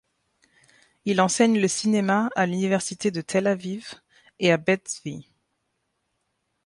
Il enseigne le cinéma à l’université de Tel Aviv et à Bet Zvi.